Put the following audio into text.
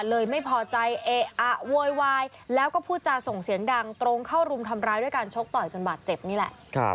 เลยไม่พอใจเอ๊ะอะโวยวายแล้วก็พูดจาส่งเสียงดังตรงเข้ารุมทำร้ายด้วยการชกต่อยจนบาดเจ็บนี่แหละ